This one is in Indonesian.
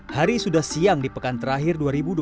hari sudah siang di pekan terakhir dua ribu dua puluh